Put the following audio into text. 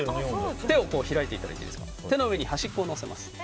手を開いていただいて手の上に端っこを乗せます。